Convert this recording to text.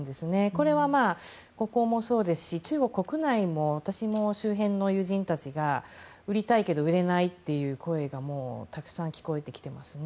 これは、ここもそうですし中国国内も私も周辺の友人たちが売りたいけど売れないという声がたくさん聞こえてきていますね。